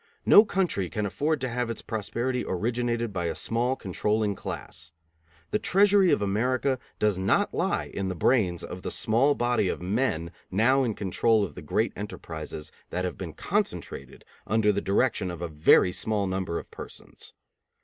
No country can afford to have its prosperity originated by a small controlling class. The treasury of America does not lie in the brains of the small body of men now in control of the great enterprises that have been concentrated under the direction of a very small number of persons.